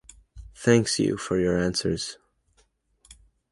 Thanks you for your answers.